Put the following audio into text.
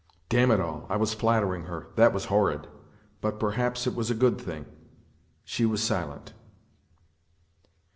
Damn it all, I was flattering her. That was horrid. But perhaps it was a good thing. ... She was silent.